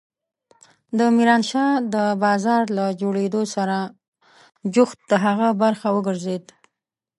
د ميرانشاه د بازار له جوړېدو سره جوخت د هغه برخه وګرځېد.